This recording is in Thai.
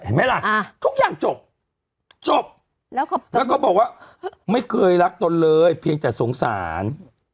ไหมล่ะทุกอย่างจบจบแล้วก็บอกว่าไม่เคยรักตนเลยเพียงแต่สงสาร